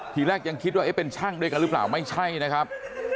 ทีแรกยังคิดว่าเอ๊ะเป็นช่างด้วยกันหรือเปล่าไม่ใช่นะครับ